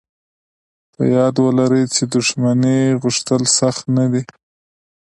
په ياد ولرئ چې د شتمنۍ غوښتل سخت نه دي.